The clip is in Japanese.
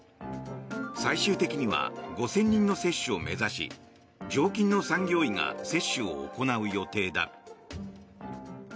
最終的には５０００人の接種を目指し常勤の産業医が接種を行う予定だ。